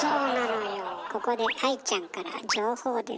ここで愛ちゃんから情報です。